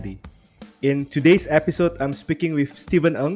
di episode hari ini saya berbicara dengan steven ng